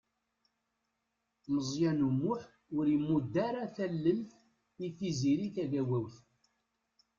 Meẓyan U Muḥ ur imudd ara tallelt i Tiziri Tagawawt.